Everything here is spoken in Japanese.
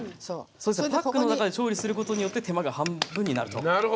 パックの中で調理することによって手間が半分になると。